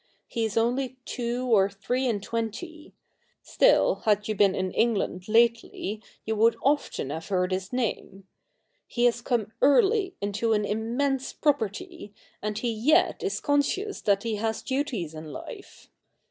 He is only two or three and twenty ; still, had you been in England lately, you would often have heard his name. He has come early into an immense property, and he yet is conscious that he has duties in life.